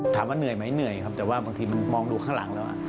ถามว่าเหนื่อยไหมเหนื่อยครับแต่ว่าบางทีมันมองดูข้างหลังแล้ว